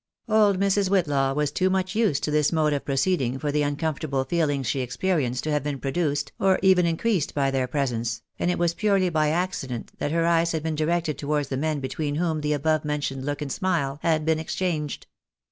Old Mrs. Whitlaw was too much used to this mode of proceed ing for the uncomfortable feelings she experienced to have been produced or even increased by their presence, and it was purely by accident that her eyes had been directed towards the men between whom the above mentioned look and smile had been exchanged.